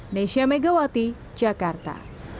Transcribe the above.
desya megawati jakarta